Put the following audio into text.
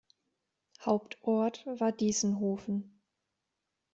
Hauptort war Diessenhofen.